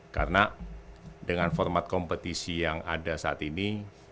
karena dengan format kompetisi yang ada saat ini